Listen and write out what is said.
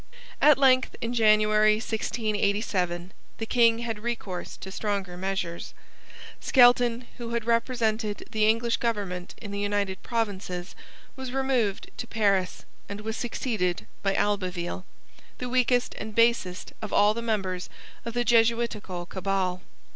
At length, in January 1687, the King had recourse to stronger measures. Skelton, who had represented the English government in the United Provinces, was removed to Paris, and was succeeded by Albeville, the weakest and basest of all the members of the Jesuitical cabal.